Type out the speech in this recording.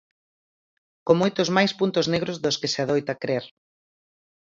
Con moitos máis puntos negros dos que se adoita crer.